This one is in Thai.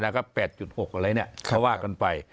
๘๖อะไรเนี่ยเขาว่ากันไป